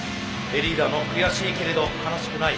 リーダーの「悔しいけれど悲しくない」